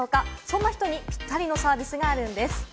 そんな人にぴったりのサービスがあるんです。